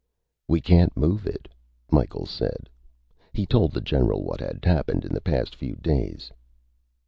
"We can't move it," Micheals said. He told the general what had happened in the past few days.